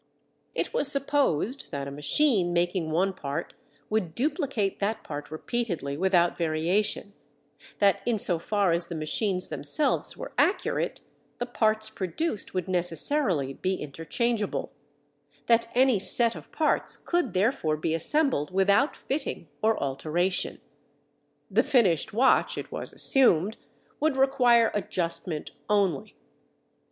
It was supposed that a machine making one part would duplicate that part repeatedly without variation; that in so far as the machines themselves were accurate, the parts produced would necessarily be interchangeable; that any set of parts could therefore be assembled without fitting or alteration. The finished watch, it was assumed, would require adjustment only.